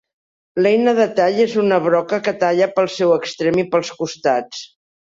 L'eina de tall és una broca que talla pel seu extrem i pels costats.